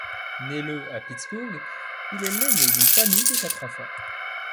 Né le à Pittsburgh, il est l'aîné d'une famille de quatre enfants.